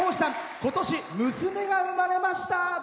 ことし、娘が生まれました。